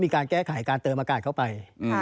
การเติมอากาศเข้าไป